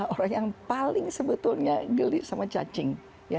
orang yang paling sebetulnya gelit sama cacing